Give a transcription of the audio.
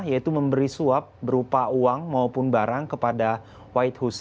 yaitu memberi swap berupa uang maupun barang kepada ytp